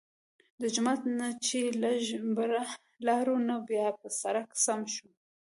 د جومات نه چې لږ بره لاړو نو بيا پۀ سړک سم شو